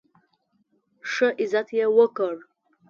ښه عزت یې وکړ.